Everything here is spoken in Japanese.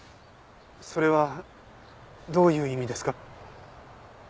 それはどういう意味ですか？